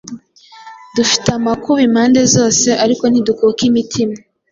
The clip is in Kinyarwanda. Dufite amakuba impande zose, ariko ntidukuka imitima,